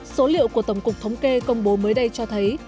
số liệu của tổng cục thống kê công bố mới đây cho thấy